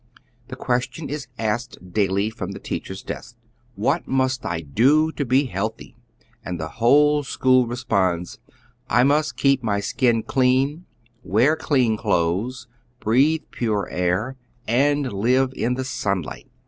The question is asked daily from the teacher's desk :" What must I do to be healthy ?" and the whole school responds :" I mu;t k^ep raj skin clean, Wear olean clothes. Breathe pare air, And live in the sunlight."